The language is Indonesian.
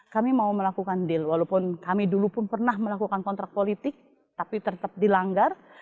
kami mau melakukan deal walaupun kami dulu pun pernah melakukan kontrak politik tapi tetap dilanggar